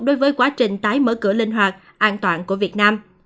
đối với quá trình tái mở cửa linh hoạt an toàn của việt nam